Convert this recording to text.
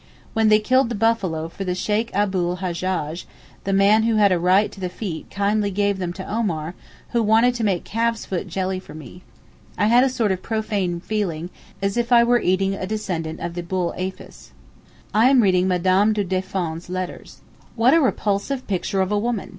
When they killed the buffalo for the Sheykh Abu l Hajjaj, the man who had a right to the feet kindly gave them to Omar, who wanted to make calves' foot jelly for me. I had a sort of profane feeling, as if I were eating a descendant of the bull Apis. I am reading Mme. du Deffand's letters. What a repulsive picture of a woman.